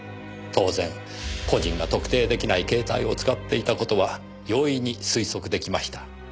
当然個人が特定出来ない携帯を使っていた事は容易に推測出来ました。